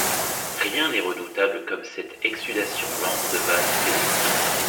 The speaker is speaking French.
Rien n’est redoutable comme cette exsudation lente de vase fêlé.